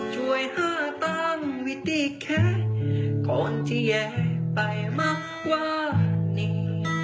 ช่วยห้าตามวิธีแค่ก่อนที่แย่ไปมากกว่านี้